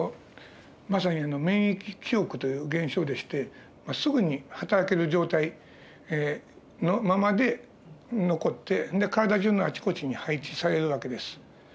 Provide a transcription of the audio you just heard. まさに免疫記憶という現象でしてすぐにはたらける状態のままで残って体中のあちこちに配置される訳です。